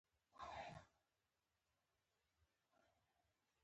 افغانستان د قومونه په برخه کې پوره او لوی نړیوال شهرت لري.